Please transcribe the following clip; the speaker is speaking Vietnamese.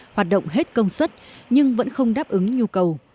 hoạt động hết công suất nhưng vẫn không đáp ứng nhu cầu